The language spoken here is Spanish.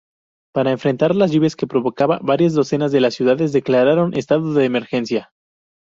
Para enfrentar las lluvias que provocaba, varias docenas de ciudades declararon estado de emergencia.